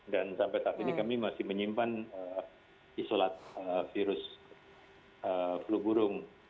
dan sampai saat ini kami masih menyimpan isolat virus flu burung